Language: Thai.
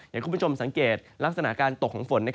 อย่างคุณผู้ชมสังเกตลักษณะการตกของฝน